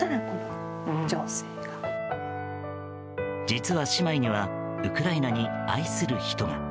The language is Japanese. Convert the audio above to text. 実は姉妹にはウクライナに愛する人が。